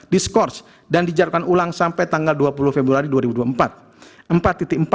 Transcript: diskurs dan dijalankan ulang sampai tanggal dua puluh februari dua ribu dua puluh empat